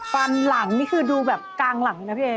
ฟันหลังนี่คือดูแบบกลางหลังเลยนะพี่เอ